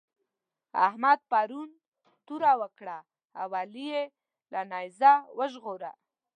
احمد پرون توره وکړه او علي يې له نېزه وژغوره.